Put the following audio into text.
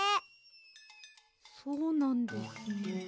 そうなんですね。